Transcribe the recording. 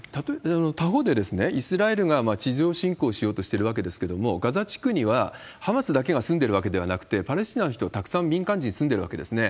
他方で、イスラエルが地上侵攻しようとしているわけですけれども、ガザ地区にはハマスだけが住んでるわけではなくて、パレスチナの人、たくさん民間人住んでるわけですね。